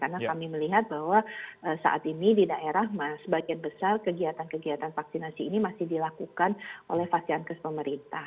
karena kami melihat bahwa saat ini di daerah sebagian besar kegiatan kegiatan vaksinasi ini masih dilakukan oleh vaksinan kesemerintah